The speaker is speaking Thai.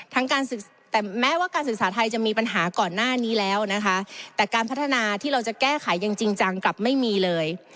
แต่แม้ว่าการศึกษาไทยจะมีปัญหาก่อนหน้านี้แล้วนะคะแต่การพัฒนาที่เราจะแก้ไขอย่างจริงจังกลับไม่มีเลย